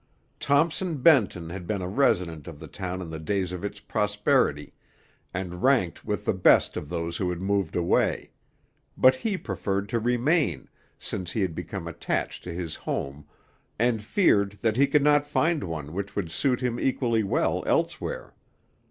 Thompson Benton had been a resident of the town in the days of its prosperity, and ranked with the best of those who had moved away; but he preferred to remain, since he had become attached to his home, and feared that he could not find one which would suit him equally well elsewhere.